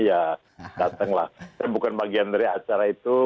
ya datanglah bukan bagian dari acara itu